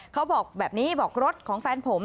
เขาบอกแบบนี้บอกรถของแฟนผม